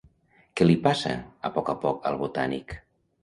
Què li passa a poc a poc al Botànic?